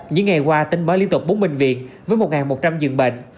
những ngày qua tính mới liên tục bốn bệnh viện với một một trăm linh dường bệnh